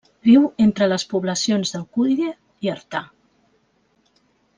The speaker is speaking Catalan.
Viu entre les poblacions d'Alcúdia i Artà.